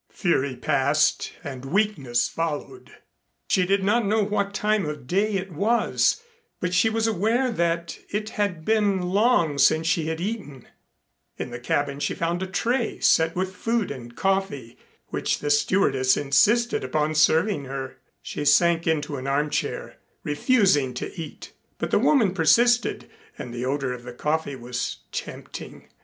Fury passed and weakness followed. She did not know what time of day it was, but she was aware that it had been long since she had eaten. In the cabin she found a tray set with food and coffee which the stewardess insisted upon serving her. She sank into an armchair, refusing to eat, but the woman persisted and the odor of the coffee was tempting.